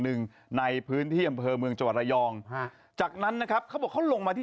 หนึ่งในพื้นที่อำเภอเมืองจังหวัดระยองฮะจากนั้นนะครับเขาบอกเขาลงมาที่